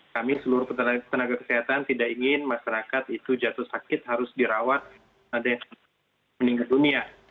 kami seluruh tenaga kesehatan tidak ingin masyarakat itu jatuh sakit harus dirawat ada yang meninggal dunia